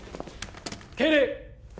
敬礼！